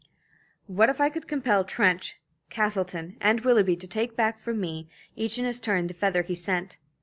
"What if I could compel Trench, Castleton, and Willoughby to take back from me, each in his turn, the feather he sent?